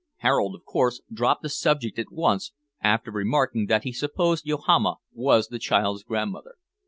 Harold of course dropped the subject at once, after remarking that he supposed Yohama was the child's grandmother.